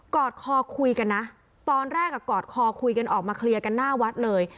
อดคอคุยกันนะตอนแรกกอดคอคุยกันออกมาเคลียร์กันหน้าวัดเลย